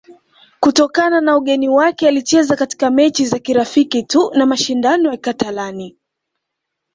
kutokana na ugeni wake alicheza katika mechi za kirafiki tu na mashindano ya katalani